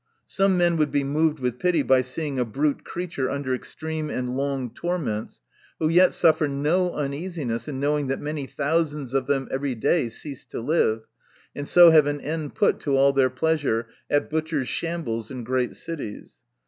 Some men would be moved with pity by seeing a brute creature under extreme and long torments, who yet suffer no uneasiness in knowing that many thousands of them every day cease to live, and so have an end put to all their pleasure, at butchers' shambles in great cities.